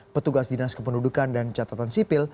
petugas dinas kependudukan dan catatan sipil